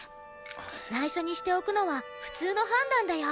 内緒にしておくのは普通の判断だよ。